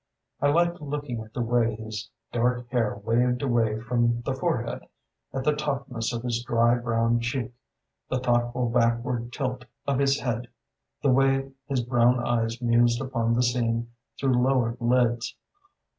I liked looking at the way his dark hair waved away from the forehead, at the tautness of his dry brown cheek, the thoughtful backward tilt of his head, the way his brown eyes mused upon the scene through lowered lids.